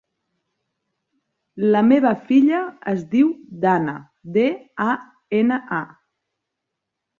La meva filla es diu Dana: de, a, ena, a.